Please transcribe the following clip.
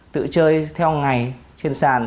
tự chơi theo ngày trên sàn